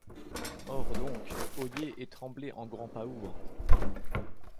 Ores doncques, oyez et tremblez en grant paour !